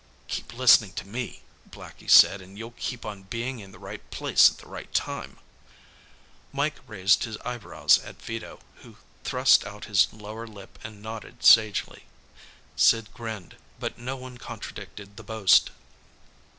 "Keep listenin' to me," Blackie said, "an' you'll keep on bein' in the right place at the right time." Mike raised his eyebrows at Vito, who thrust out his lower lip and nodded sagely. Sid grinned, but no one contradicted the boast.